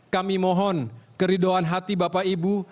kami mohon keridoan hati bapak ibu